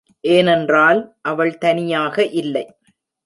ஏனென்றால் அவள் தனியாக இல்லை.